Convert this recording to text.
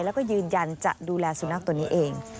แล้วก็ยืนยันจะดูแลสุนัขตัวนี้เอง